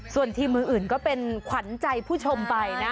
ส่วนทีมมืออื่นก็เป็นขวัญใจผู้ชมไปนะ